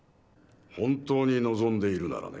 本当に望んでいるならね。